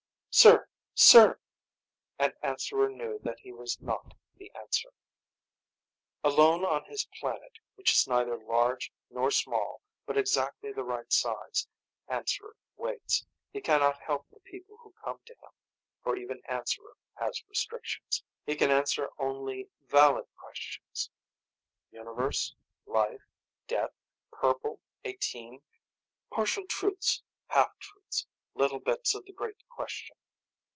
"Sir! Sir!" And Answerer knew that that was not the answer. Alone on his planet, which is neither large nor small, but exactly the right size, Answerer waits. He cannot help the people who come to him, for even Answerer has restrictions. He can answer only valid questions. Universe? Life? Death? Purple? Eighteen? Partial truths, half truths, little bits of the great question.